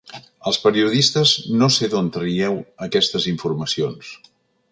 Els periodistes no sé d’on traieu aquestes informacions.